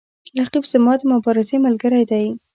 رقیب زما د مبارزې ملګری دی